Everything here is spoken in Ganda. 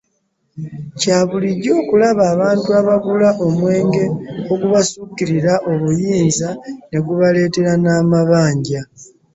Kya bulijjo okulaba abantu abagula omwenge ogubasukkirira obuyinza, ne gubaleetera n'amabanja